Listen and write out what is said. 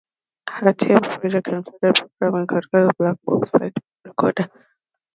Her team's projects included programming Concorde's black box flight recorder.